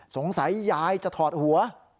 สงสัยยายจะถอดหัว